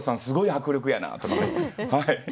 すごい迫力やな」とかね。